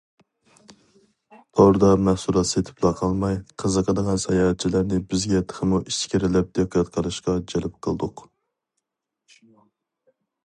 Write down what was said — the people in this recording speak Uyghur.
توردا مەھسۇلات سېتىپلا قالماي، قىزىقىدىغان ساياھەتچىلەرنى بىزگە تېخىمۇ ئىچكىرىلەپ دىققەت قىلىشقا جەلپ قىلدۇق.